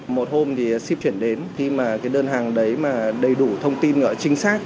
một hôm thì ship chuyển đến khi mà cái đơn hàng đấy mà đầy đủ thông tin chính xác